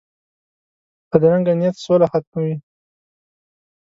بدرنګه نیت سوله ختموي